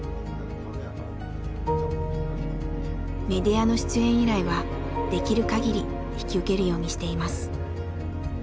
メディアの出演依頼はできるかぎり引き受けるようにしています。